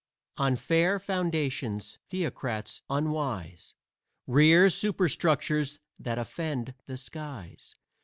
On fair foundations Theocrats unwise Rear superstructures that offend the skies.